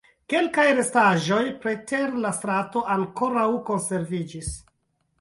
Kelkaj restaĵoj preter la strato ankoraŭ konserviĝis.